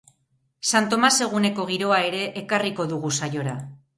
Santomas eguneko giroa ere ekarriko dugu saiora.